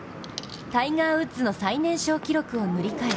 タイガー・ウッズの最年少記録を塗り替え